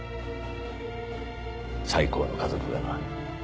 最高の家族がな。